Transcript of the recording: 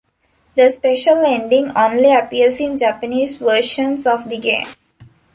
The special ending only appears in Japanese versions of the game.